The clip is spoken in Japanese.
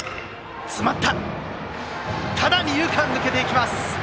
二遊間、抜けていきます！